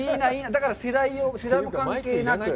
だから世代も関係なく。